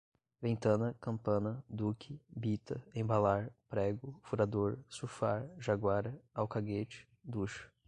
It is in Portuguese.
ventana, campana, duque, bita, embalar, prego, furador, surfar, jaguara, alcaguete, ducha